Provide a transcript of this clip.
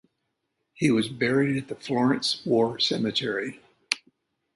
He was buried at the Florence War Cemetery.